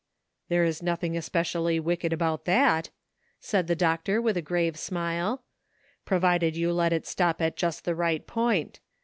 "There is nothing especially wicked about that," said the doctor, with his grave smile, '' provided you let it stop at just the right point.